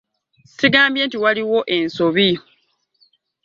Ssigambye nti waaliwo ensobi.